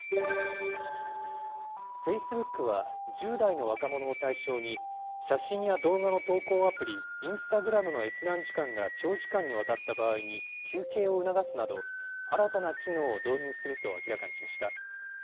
フェイスブックは、１０代の若者を対象に、写真や動画の投稿アプリ、インスタグラムの閲覧時間が長時間にわたった場合に、休憩を促すなど、新たな機能を導入すると明らかにしました。